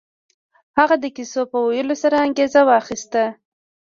هغه د کيسو په ويلو سره انګېزه واخيسته.